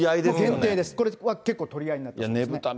限定です、これは結構取り合いになってます。